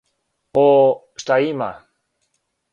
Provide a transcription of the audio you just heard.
О, шта има?